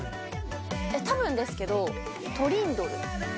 たぶんですけどトリンドル？